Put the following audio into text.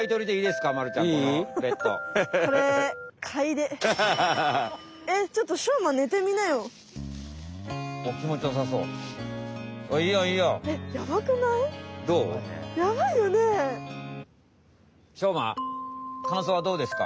かんそうはどうですか？